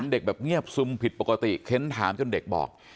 เด็กแบบเงียบซึมผิดปกติเค้นถามจนเด็กบอก